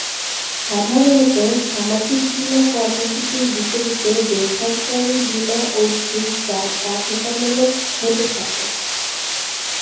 সাধারণত, সামাজিক বীমা কর্মসূচীর বিপরীতে বেসরকারি বীমা ঐচ্ছিক যা বাধ্যতামূলক হতে থাকে।